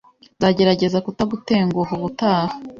Nzagerageza kutagutenguha ubutaha.